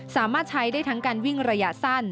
สามารถใช้ได้ทั้งการวิ่งระยะสั้น